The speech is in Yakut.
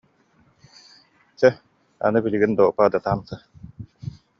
Чэ, аны билигин до упада танцы